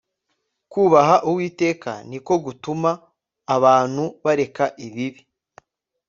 kubaha uwiteka niko gutuma abantu bareka ibibi